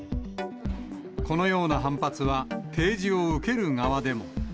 このような反発は、提示を受ける側でも。